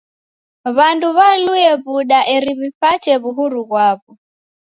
W'andu w'alue w'uda eri w'ipate w'uhuru ghwaw'o.